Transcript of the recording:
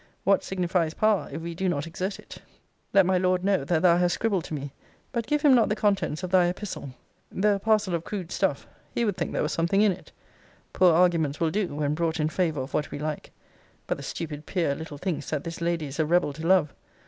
What signifies power, if we do not exert it? Let my Lord know, that thou hast scribbled to me. But give him not the contents of thy epistle. Though a parcel of crude stuff, he would think there was something in it. Poor arguments will do, when brought in favour of what we like. But the stupid peer little thinks that this lady is a rebel to Love.